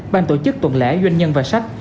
ban tổ chức tuần lễ doanh nhân và sách